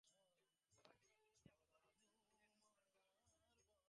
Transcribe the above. সভা শেষে অর্থমন্ত্রী আবুল মাল আবদুল মুহিত সাংবাদিকদের এসব সিদ্ধান্তের কথা জানান।